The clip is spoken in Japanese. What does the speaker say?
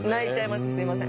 すいません。